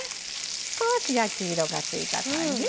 少し焼き色がついた感じね。